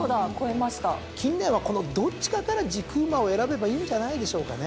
近年はこのどっちかから軸馬を選べばいいんじゃないでしょうかね。